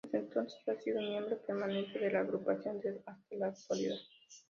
Desde entonces ha sido miembro permanente de la agrupación hasta la actualidad.